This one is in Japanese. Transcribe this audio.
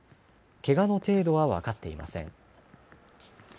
けがの程度は分かっていません。